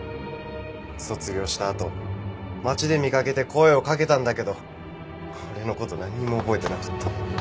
卒業したあと街で見かけて声をかけたんだけど俺の事なんにも覚えてなかった。